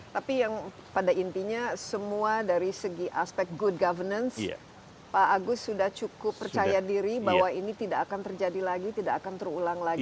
tapi yang pada intinya semua dari segi aspek good governance pak agus sudah cukup percaya diri bahwa ini tidak akan terjadi lagi tidak akan terulang lagi